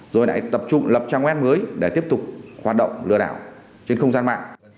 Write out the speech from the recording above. rồi lại tập trung lập trang web mới để tiếp tục hoạt động lừa đảo trên không gian mạng